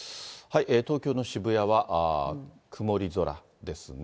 東京の渋谷は曇り空ですね。